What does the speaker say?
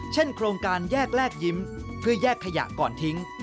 โครงการแยกแลกยิ้มเพื่อแยกขยะก่อนทิ้ง